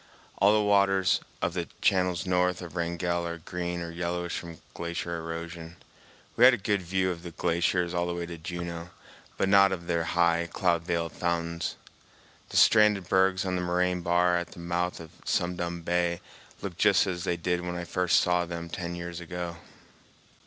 All the waters of the channels north of Wrangell are green or yellowish from glacier erosion. We had a good view of the glaciers all the way to Juneau, but not of their high, cloud veiled fountains. The stranded bergs on the moraine bar at the mouth of Sum Dum Bay looked just as they did when I first saw them ten years ago.